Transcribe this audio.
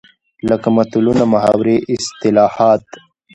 لکه متلونه، محاورې ،اصطلاحات